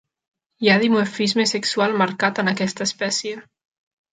Hi ha dimorfisme sexual marcat en aquesta espècie.